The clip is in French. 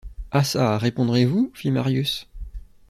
Ah çà, répondrez-vous? fit Marius.